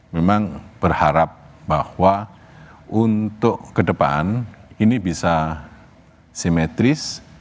memang berharap bahwa untuk ke depan ini bisa simetris